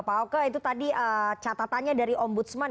pak oke itu tadi catatannya dari om budsman